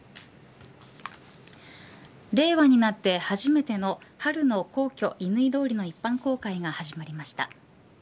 令和になって初めての春の皇居、乾通りの一般公開が始まりました。